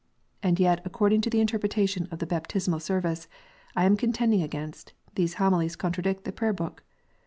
And yet according to the interpretation of the Baptismal Service I am contending against, these Homilies contradict the Prayer book